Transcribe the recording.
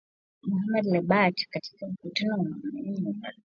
Mohamed Lebatt katika mkutano wa pamoja na waandishi wa habari mjini Khartoum